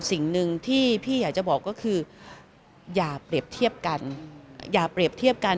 สิ่งหนึ่งที่พี่อยากจะบอกก็คืออย่าเปรียบเทียบกัน